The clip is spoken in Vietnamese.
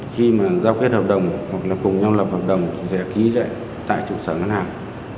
khi mà giao kết hợp đồng hoặc là cùng nhau lập hợp đồng sẽ ký lại tại trụ sở ngân hàng